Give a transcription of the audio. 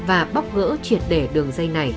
và bóc gỡ triệt để đường dây này